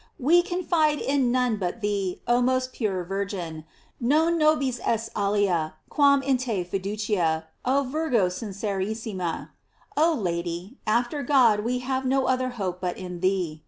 We confide in none but thee, oh most pure Virgin: Non nobis est alia quam in te fiducia, O Virgo Bincerissirna. Oh Lady, after God we have no other hope but in thee.